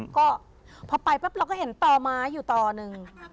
ก็พอไปปั๊บเราก็เห็นต่อไม้อยู่ต่อหนึ่ง